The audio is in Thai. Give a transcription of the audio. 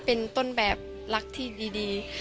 เป็นต้นแบบรักที่ดี